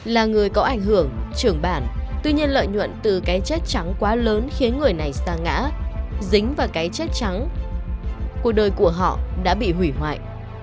là người có ảnh hưởng trưởng bản tuy nhiên lợi nhuận từ cái chất trắng quá lớn khiến người này xa ngã dính vào cái chất trắng của đời của họ đã bị hủy hoại